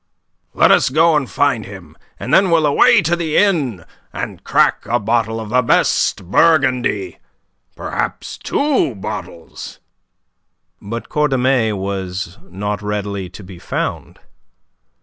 "Let us go and find him, and then we'll away to the inn and crack a bottle of the best Burgundy, perhaps two bottles." But Cordemais was not readily to be found.